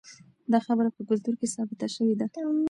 دا خبره په کلتور کې ثابته شوې ده.